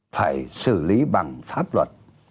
phải xử lý bằng pháp luật